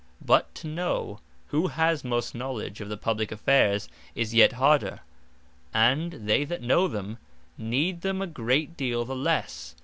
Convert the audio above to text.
But to know, who has most knowledge of the Publique affaires, is yet harder; and they that know them, need them a great deale the lesse.